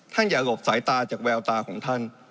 อย่าหลบสายตาจากแววตาของท่าน